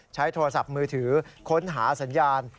ใช้โทรศัพท์มือถือค้นหาสัญญาณ